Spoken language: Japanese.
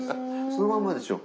そのまんまでしょ。